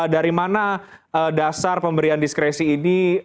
dari mana dasar pemberian diskresi ini